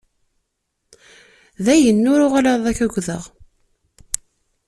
Dayen, ur uɣaleɣ ad k-agdeɣ.